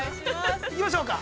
◆行きましょうか。